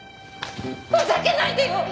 ふざけないでよ！